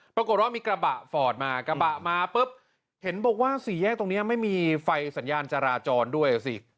ปรากฏว่ามีกระบะฟอร์ดมากระบะมาปุ๊บเห็นบอกว่าสี่แยกตรงนี้ไม่มีไฟสัญญาณจราจรด้วยอ่ะสิ